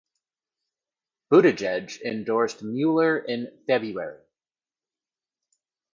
Buttigieg endorsed Mueller in February.